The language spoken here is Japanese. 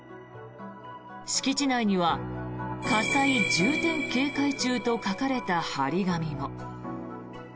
敷地内には火災重点警戒中と書かれた貼り紙も。